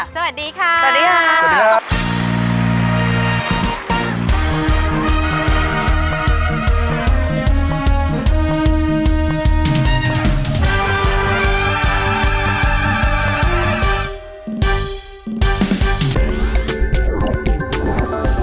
สวัสดีค่ะสวัสดีค่ะ